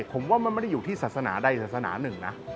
ผมว่ามันไม่ได้อยู่ที่ศาสนาใดศาสนาหนึ่งนะ